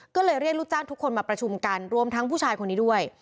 ก็เลยเรียกลูกจ้างทุกคนมาประชุมกันรวมทั้งผู้ชายคนนี้ด้วย